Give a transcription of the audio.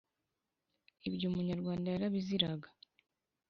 Ibyo Umunyarwanda yarabiziraga